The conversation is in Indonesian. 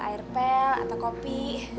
saya nggak bawa air pel atau kopi